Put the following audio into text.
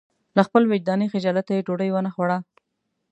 له خپل وجداني خجالته یې ډوډۍ ونه خوړه.